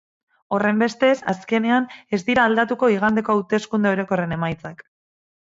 Horrenbestez, azkenean ez dira aldatuko igandeko hauteskunde orokorren emaitzak.